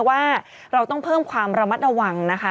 ว่าเราต้องเพิ่มความระมัดระวังนะคะ